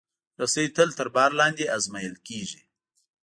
رسۍ تل تر بار لاندې ازمېیل کېږي.